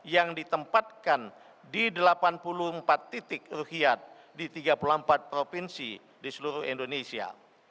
yang ditempatkan di delapan puluh empat titik rukyat di tiga puluh empat provinsi di seluruh indonesia